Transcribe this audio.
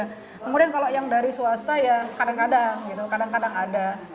kemudian kalau yang dari swasta ya kadang kadang gitu kadang kadang ada